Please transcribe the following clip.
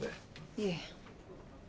いえ。